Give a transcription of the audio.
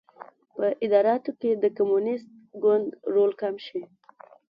په اداراتو کې د کمونېست ګوند رول کم شي.